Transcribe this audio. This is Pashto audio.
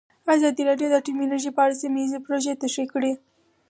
ازادي راډیو د اټومي انرژي په اړه سیمه ییزې پروژې تشریح کړې.